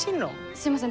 すいません。